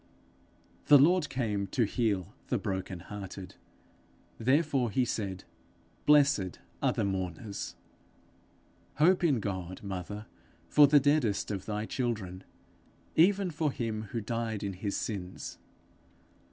The Lord came to heal the broken hearted; therefore he said, 'Blessed are the mourners.' Hope in God, mother, for the deadest of thy children, even for him who died in his sins.